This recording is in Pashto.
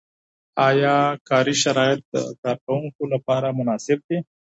آیا کاري شرایط د کارکوونکو لپاره مناسب دي؟